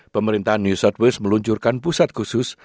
pemerintahan new south wales meluncurkan pusat khusus